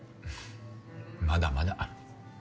まだまだ。